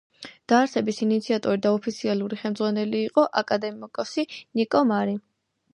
დაარსების ინიციატორი და ოფიციალური ხელმძღვანელი იყო აკადემიკოსი ნიკო მარი.